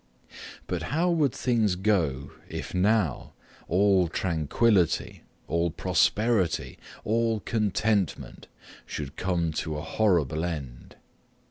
But how would things go if now all tranquillity, all prosperity, all contentment should come to a horrible end?